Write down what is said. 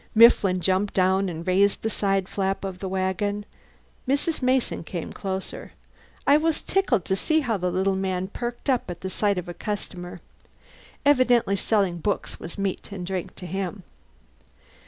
Mifflin jumped down, and raised the side flap of the wagon. Mrs. Mason came closer. I was tickled to see how the little man perked up at the sight of a customer. Evidently selling books was meat and drink to him.